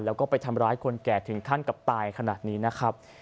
แล้วก็ไปทำร้ายคนแก่ถึงขั้นกับตายขนาดนี้นะครับ